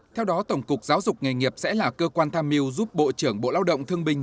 theo đó tổng cục giáo dục nghề nghiệp sẽ là cơ quan tham mưu giúp bộ trưởng bộ lao động thương binh